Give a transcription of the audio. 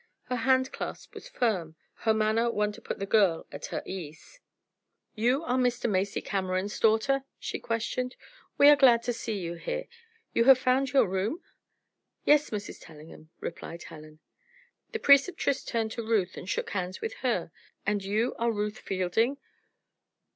Her handclasp was firm, her manner one to put the girl at her ease. "You are Mr. Macy Cameron's daughter?" she questioned. "We are glad to see you here. You have found your room?" "Yes, Mrs. Tellingham," replied Helen. The Preceptress turned to Ruth and shook hands with her. "And you are Ruth Fielding?